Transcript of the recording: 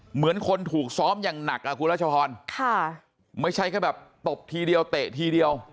เหมือนคนถูกซ้อมอย่างหนักอ่ะคุณรัชพรค่ะไม่ใช่แค่แบบตบทีเดียวเตะทีเดียว